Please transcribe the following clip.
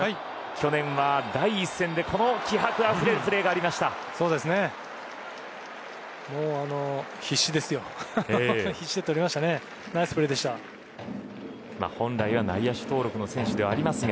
去年は第一線でこの気迫あふれるプレーがありました。